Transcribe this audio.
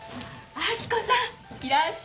明子さんいらっしゃい！